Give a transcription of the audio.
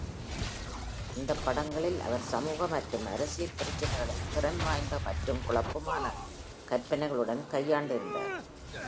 இந்தப் படங்களில் அவர் சமூக மற்றும் அரசியல் பிரச்சினைகளை, திறன் வாய்ந்த மற்றும் குழப்பமான கற்பனைகளுடன் கையாண்டிருந்தார்.